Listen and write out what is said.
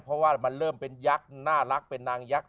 เพราะว่ามันเริ่มเป็นยักษ์น่ารักเป็นนางยักษ